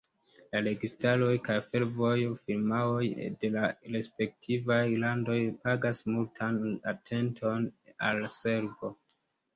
La registaroj kaj fervojo-firmaoj de la respektivaj landoj pagas multan atenton al la servo.